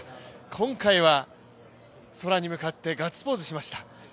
今回は空に向かってガッツポーズをしていました。